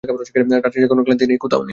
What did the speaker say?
রাত্রি জাগরণের ক্লান্তি কোথাও নেই।